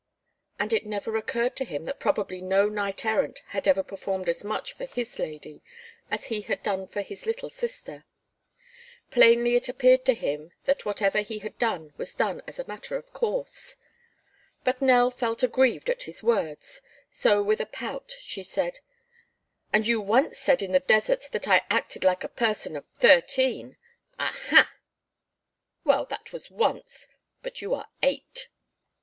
And it never occurred to him that probably no knight errant had ever performed as much for his lady as he had done for his little sister. Plainly it appeared to him that whatever he had done was done as a matter of course. But Nell felt aggrieved at his words; so with a pout she said: "And you once said in the desert that I acted like a person of thirteen. Aha!" "Well, that was once. But you are eight."